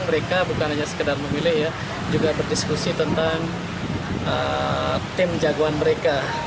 mereka bukan hanya sekedar memilih ya juga berdiskusi tentang tim jagoan mereka